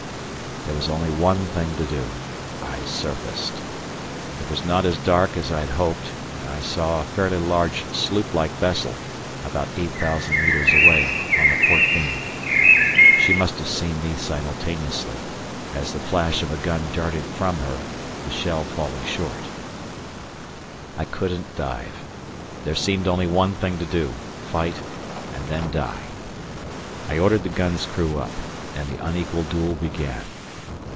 There was only one thing to do I surfaced. It was not as dark as I had hoped, and I saw a fairly large sloop like vessel, about eight thousand metres away, on the port beam. She must have seen me simultaneously, as the flash of a gun darted from her, the shell falling short. I couldn't dive; there seemed only one thing to do: fight and then die. I ordered the gun's crew up, and the unequal duel began.